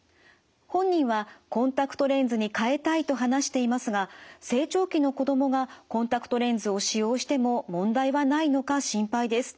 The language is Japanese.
本人はコンタクトレンズに替えたいと話していますが成長期の子どもがコンタクトレンズを使用しても問題はないのか心配です。